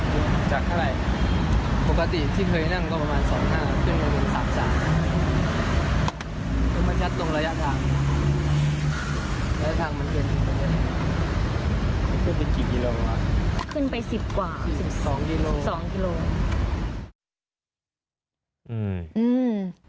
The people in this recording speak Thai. ขึ้นไปกี่กิโลเมตรขึ้นไป๑๐กว่า๑๒กิโลเมตร